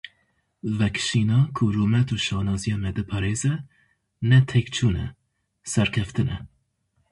Vekişîna ku rûmet û şanaziya me diparêze, ne têkçûn e, serkeftin e.